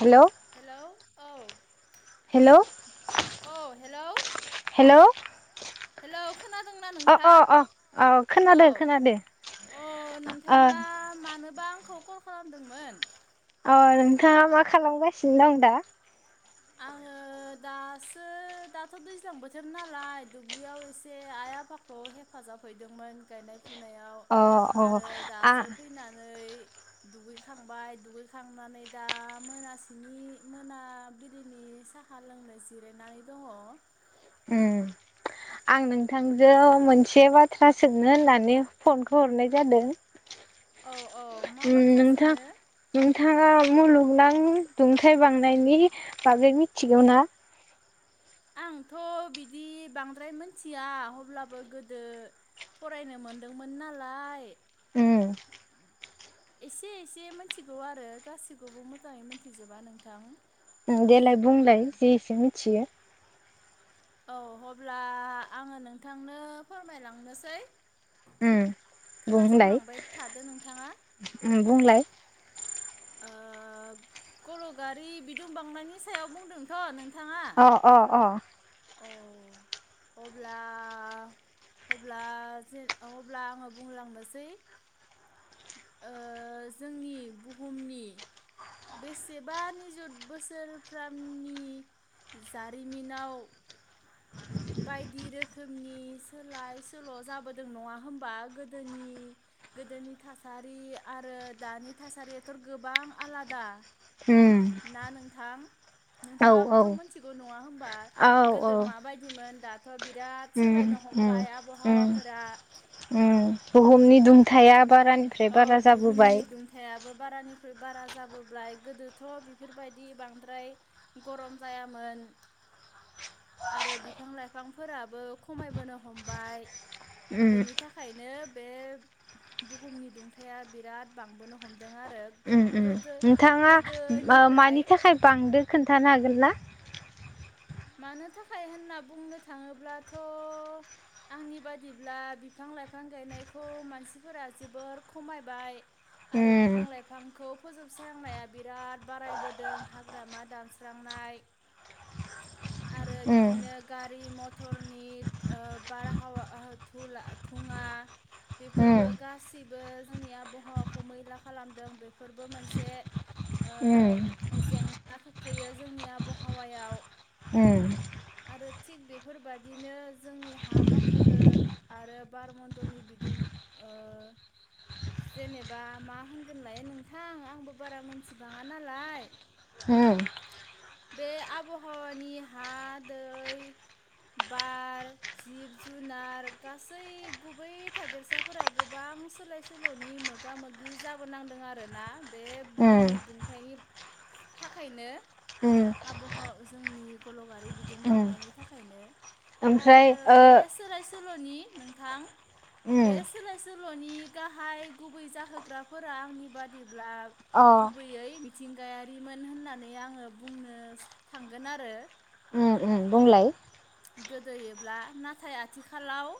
Hello hello औ। Hello औ hello hello hello खोनादोंना अ नोंथां अ अ अ औ खोनादो खोनादो अ ओ नोंथाङा मानोबा खौ कल खालामदोंमोन। अ नोंथाङा मा खालामगासिनो दं दा? आङो दासो दाथ दैज्लां बोथोर नालाय दुब्लियाव एसे आइ आफाखौ हेफाजाब हैदोंमोन गायनाय फुनायाव अ अ आरो आ दासो फैनानै दुगैखांबाय दुगैखांनानै दा मोनासिनि मोनाबि लिनि साहा लोंनो जिरायनानै दङ। उम आं नोंथांजों मोन से बाथ्रा सोंनो होननानै फनखौ हरनाय जादों। औ मा उम बाथ्रा नोथां सोंनो नोंथाङा मुलुगनां दुंथाय बांनायनि बागै मिथिगौ ना? आंथ' बिदि बांद्राय मोनथिया अब्लाबो गोदो फरायनो मोनदोंमोन नालाय उम एसे एसे मिथिगौ आरो गासिखौबो मोजाङै मोनथिजोबा नोंथां। देलाय बुंलाय जि एसे मिथियो औ अब्ला आङो नोंथांनो फोरमायलांनोसै उम बुंलाय खोनासंलांबाय थादो नोंथाङा उम बुंलाय ओ कलगारि बिदुं बांनायनि सायाव बुंदोंथ' नों अ अ अ अ अब्ला अल्बा जेर अल्बा आङो बुंलांनोसै ओ जोंनि बु हुमनि बेसेबा निजुथ बोसोरफ्रामनि जारिमिनाव बायदि रोखोमनि सोलाय सोल' जाबोदों नङा होमबा गोदोनि गोदोनि थासारि आरो दानि थासारिया थ' गोबां आलादा उम ना नोंथां? औ औ नोंथाङाबोथ' मिथिगौ नङा होनबा औ औ गोदो माबायदिमोन दाथ' बिराद उम सोलायनो उम हमबाय उम आबहावाफोरा थाया बारानिफ्राय औ बारा बुहुमनि जाबोबाय दुंथायाबो बारानिख्रुइ बारा जाबोबाय गोदोथ बेफोरबायदि बांद्राय गरम जायामोन आरो बिफां लाइफांफोराबो खमायबोनो हमबाय उम बेनि थाखायनो बे बुहुमनि दुंथाया बिराद बांबोनो हम उम उम नोंथाङा ओ मानि गोदोनिफ्राय थाखाय बांदो खोन्थानो हागोन ना? मानो थाखाय होनना बुंनो थाङोब्लाथ' आंनि बादिब्ला बिफां-लाइफां गायनायखौ मानसिफोरा जोबोर खमायबाय आरो उम बिफां लाइफांखौ फोजोबस्रांनाया बिराद बारायबोदों हाग्रामा दानस्रांनाय आरो उम बिदिनो गारि मथरनि ओ बारहावा ओ थुला थुङा बेफोरबो उम गासैबो जोंनि आबहावाखौ मैला खालामदों बेफोरबो मोनसे उम ओ जेंना खोख्लैयो जोंनि आबहावायाव उम आरो थिग बेफोरबादिनो जोंनि हा बाहागो आरो बारमणडलनि बिदुं ओ जेनेबा मा होनगोनलाय नोंथां आंबो बारा मोनथिबाङा नालाय बे आब हावानि हा दै बार जिब जुनार गासै गुबै थादेरसाफोरा गोबां सोलाय सोलनि मोगा-मोगि जाबोनांदों आरोना बे उम बुहुमनि दुंथायनि थाखायनो उम उम आब [unintelligible] जोंनि गलकगारि बिदुं उम बांनायनि थाखायनो आरो ओमफ्राय ओ बे सोलाय सोलनि नोंथां बे उम सोलाय सोलनि गाहाय गुबै जाहोग्राफोरा आंनि बादि ब्ला अ गुबैयै मि थिंगायारिमोन होननानै आङो बुंनो सा थांगोन आरो उम उम बुंलाय गोदोयोब्ला नाथाय आथिखालाव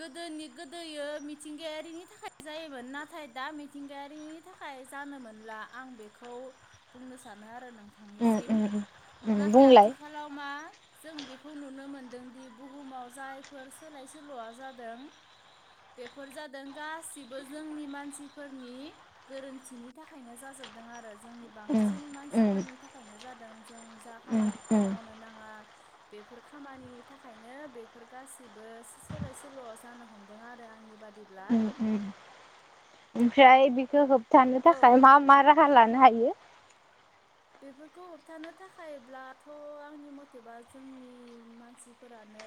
गोदोनि गोदोयो मिथिंगायारिनि थाखाय जायोमोन नाथाय दा मिथिंगायारिनि थाखाय जानोमोनला आं बेखौ बुंनो सानो आरो उम नोंथांनिसिम। उम उम नाथाय बुंलाय आथिखालाव मा जों बे खौ नुनो मोनदोंदि बुहुमाव जायफोर सोलाय सोलआ जादों बेफोर जादों गासिबो जोंनि मानसिफोरनि गोरोन्थिनि थाखायनो जाजोबदों आरो जोंनि उम बांसिन उम मानसिफोरनि थाखायनो जादों जों जा उम उम खामानिखौ उम मावनो नाङा बेफोर खामानिनि थाखायनो बेफोर गासिबो सो सोलाय सोलआ जानो हमदों आरो आंनि बादि उम-उम ओमफ्राय बिखो हब होबथानो औ थाखाय मा मा राहा लानो हायो? बेफोरखौ होबथानो थाखायब्लाथ आंनि मतेबा जोंनि मानसिफोरानो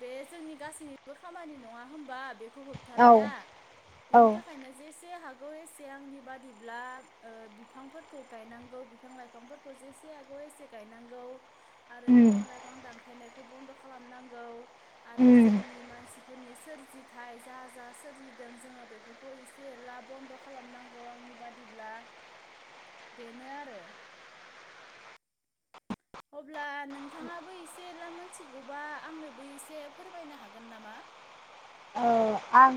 बे जोंनि गासैनिबो खामानि नङा होमबा बेख खौ औ होबथानाया औ बेनि थाखायनो जेसे हागौ ओ एसे आंनि बादिब्ला ओ बिफांफोरखौ गायनांगौ बि बिफां लाइफांफोरखौ जेसे हागौ एसे गायनांगौ। आरो उम बिफां लाइफां दानफायनाय खौ बन्द खालामनांगौ। आरो उम जोंनि मानसि फोरनि सोरजिथाय जा जा सोरजिदों जोङो बेफोरखौ एसे एला बन्द खालामनांगौ आंनि बादिब्ला बेनो आरो अब्ला नोंथाङाबो एसे एला मोनथिगौबा आंनोबो एसे फोरमायनो हागोन नामा? ओ आं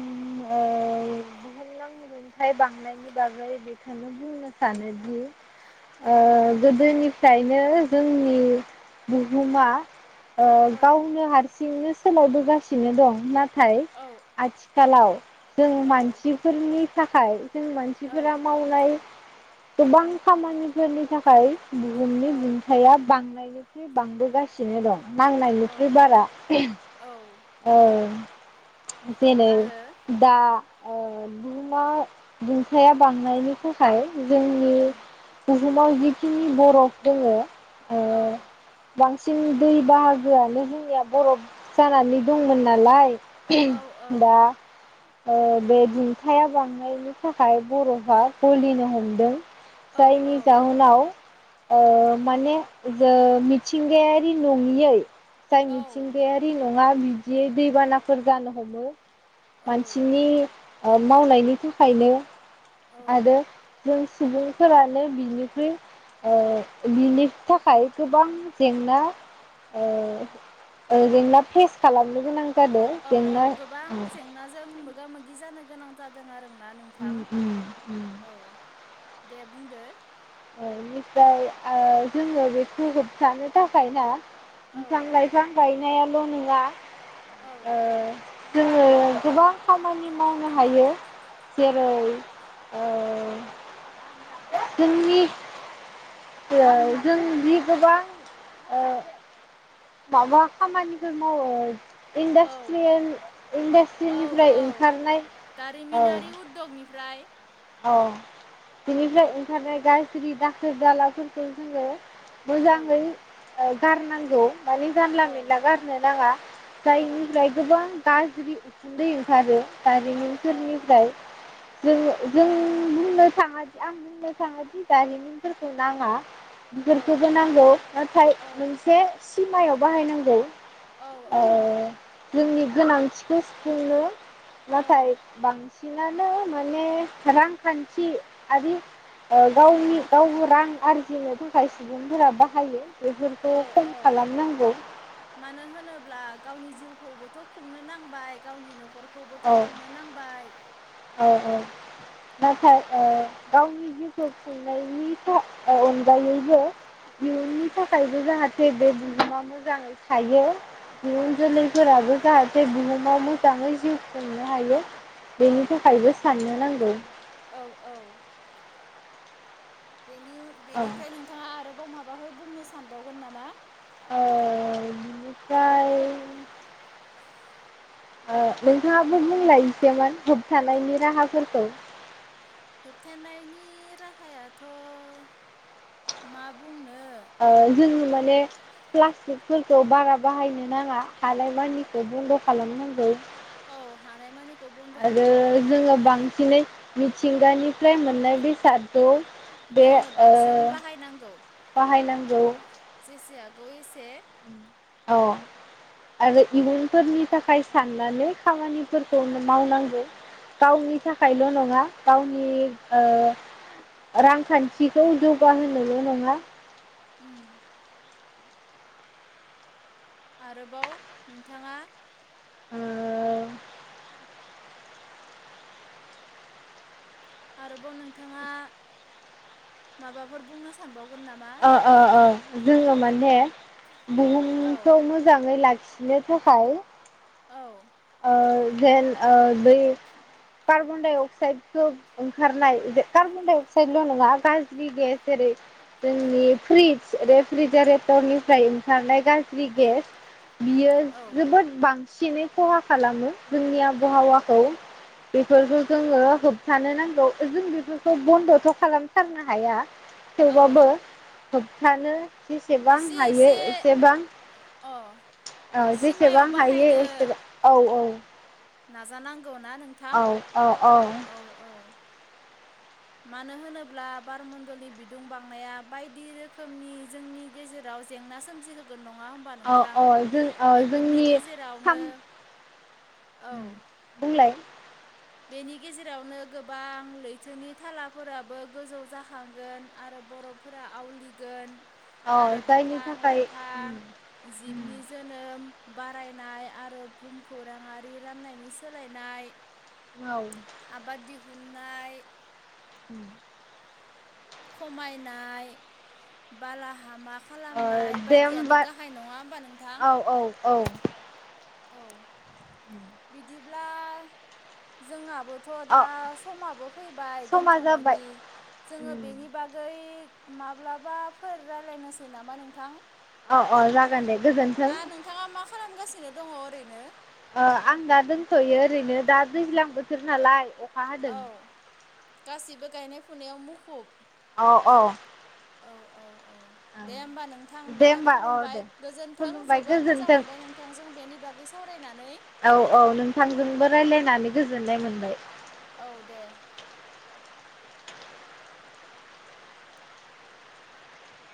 ओ बुहुमनां रुंथाइ बांनायनि बागै बेखोनो बुंनो सानोदि ओ औ गोदोनिफ्रायनो जोंनि बुहुमा ओ औ गावनो हारसिंनो सोलायबोगासिनो दं नाथाय औ आथिखालाव जों औ मानसिफोरनि थाखाय। जों औ मानसिफोरा मावनाय गोबां खामानिफोरनि थाखाय बुहुमनि औ दुंथाया बांनायनिख्रुइ बांबोगासिनो दं। औ नांनायनिख्रुइ बारा औ औ। जेनै आरो दा ओ बुहुमा दुंथाया बांनायनि थाखाय जोंनि उम [inaudible] बुहुमाव जिखिनि बरफ दङ औ। सिं दै बाहागोआनो जोंनिया बरफ जानानै दंमोन नालाय औ औ दा। ओ बे दिन्थाया बांनायनि थाखाय बरफा गलिनो हमदों। औ जायनि जाहोनाव ओ माने जो मिथिंगायारि नङियै। जाय मिथिंगायारि। नङा बिदि दैबाना। फोर जानो हमो। औ मानसिनि। मावनायनि थाखायनो। औ आरो जों सुबुंफोरानो बिनिख्रुइ ओ बिनि थाखाय गोबां जेंना ओ। ओ। जोंना फेस खालामनो गोनां जादों औ औ जेंना गोबां जेंनाजों मोगा मोगि जानो गोनां जादों आरो। ओम ओम ओम। दे बुंदो। बेनिफ्राय जोङो बेखौ होबथानो थाखाय ना! औ बिफां लाइफां गाय नायाल नङा। औ ओ। जोङो गोबां खामानि मावनो हायो। जेरै औ ओ। जोंनि जों जि गोबां ओ। माबा खामानिफोर मावो। औ इन्दास्ट्रियेन औ इन्दास्ट्रिनिफ्राय औ ओंखारनाय औ। दारिमिनारि उद्यगनिफ्राय औ बिनिफ्राय ओंखारनाय गाज्रि दाखोर दालाफोरखौ जोङो। औ मोजाङै ओ गारनांगौ माने औ जानला मेनला गारनो नाङा औ जायनिफ्राय गोबां गाज्रि उखुन्दै ओंखारो। औ औ दारिमिनफोरनिफ्राय औ जोङो बुंनो थाङा दि आं बुंनो थाङा दि दारिमिनफोरखौ नाङा। औ बिफोरखौबो नांगौ, नाथाय औ मोनसे सिमायाव बाहायनांगौ। औ। जोंनि गोनांथिखौ सुफुंनो नाथाय औ बांसिन नानो माने रांखान्थि आरि ओ गावनि ओ रां आरजिनो थाखाय सुबुंफोरा बाहायो। बेफोरखौ औ खम औ खालामनांगौ मानो होनोब्ला गावनि जिउ खौबोथ' खुंनो नांबाय। गावनि न'खर खौबोथ औ खुंनो नांबाय। औ औ औ नाथाय औ। गावनि जिउखौ खुंनायनि था ओ अनगायैबो इयुननि थाखायबो जाहाथे बे बुहुमा मोजाङै थायो औ इयुनजोलैफोराबो जाहाथे बुहुमाव मोजाङै जिउ खुंनो हायो औ बेनि था साननो नांगौ। औ औ। बेनि उन औ बेनिफ्राय नोंथाङा आरोबाव मा बाफोर बुंनो सानबावगोन नामा? ओ बिनिफ्राय ओ नोंथाङाबो बुंलाय इसेमान होबथानायनि राहाफोरखौ। होबथानायनि राहायाथ मा बुं ने प्लास्टिकफोरखौ बारा बाहायनो नाङा, हानाय मानिखौ बन्द' खालामनांगौ। हानाय मानि आरो जोङो बांसिनै मिथिंगानिफ्राय मोननाय बेसादगौ बे जोङो ओ बांसिन बाहायनांगौ बाहायनां गौ। जेसे हागौ ए उम। अ आरो इयुनफोरनि थाखाय साननानै खामानिफोरखौनो मावनांगौ। गावनि थाखायल' नङा, गावनि ओ रांखान्थिखौ जौगाहोनोल' नङा। उम। आरोबाव नोंथाङा ओ आरोबाव नोंथाङा माबाफोर बुंनो सानबाव ओ ओ ओ जोङो माने औ बुहुमखौ मोजाङै ला सिननो थाखाय औ ओ जेन ओ दै कार्बन डाइ अक्साइदखौ ओंखारनाय कार्बन डाइ अक्साइदल' नङा गाज्रि गेस जेरै जोंनि फ्रिज फ्रिजा रेटरनिफ्राय ओंखारनाय गाज्रि गेस बियो औ जोबोद बांस सिनि खहा खालामो जोंनि औ आबहावाखौ बेफोरखौ जोङो होबथानो नांगौ जों बेफोरखौ बन्दथ खालामथारनो हाया। थेवबाबो औ हानो जेसेबां इसे हायो इसे एसेबां अ औ जेसेबां सिमायाव हायो एसे औ औ नाजानां गौ ना नोंथां औ औ औ औ। मानो होनोब्ला बारमण्डलनि बिदुं बांनाया बायदि रोखोमनि जोंनि गेजेराव जेंना सोमजिहोगोन। नङा होमबा औ नोंथां? औ जों ओ बेफोरनि जोंनि गेजेरावनो साम उम औ बुंलाय बेनि गेजेरावनो गोबां लैथोनि थालाफोराबो गोजौ जाखांगोन आरो बरफफोरा आवलिगोन। अ आरो जायनि बिफां थाखाय लाइफां जिबनि जोनोम बारायनाय आरो बुहुमखौ राङारि रांनायनि सोलायनाय औ हुननाय उम खमायनाय बालाहामा ओ खालामनाय दे बायदियानो होमबा गाहाय नङा होमबा नोंथां। औ औ औ औ। बिदिब्ला जोंहाबो थ दा अ समाबो फैबाय समा दोनथ जाबाय नायनि उम जोङो बेनि बागै माब्लाबाफोर रायलायनोसै नामा नोंथां अ अ जागोन दे गोजोनथों। नो दङ ओरैनो आं दा दोंनथयो ओरैनो दा दैज्लां बोथोर नालाय अ खा हादों। औ गासिबो गायनाय फुनायाव मुखुब। अ अ औ औ। दे होमबा नोंथां दे होमबा औ खुलुमबाय दे गोजोन्थों खुलुमबाय जोबोर मोजां गोजोन्थों मोनबाय नोंथांजों बेनि बागै सावरायनानै जोनाय मोनबाय। औ दे।